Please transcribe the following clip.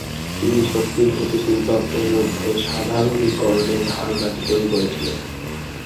তিনি শক্তির গতিশীল তত্ত্বের মধ্যে সাধারণীকরণের ধারণাটি তৈরি করেছিলেন।